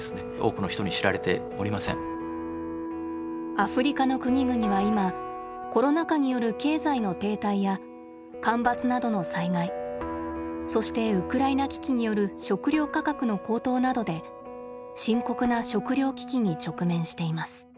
アフリカの国々はいまコロナ禍による経済の停滞や干ばつなどの災害そしてウクライナ危機による食料価格の高騰などで深刻な食料危機に直面しています。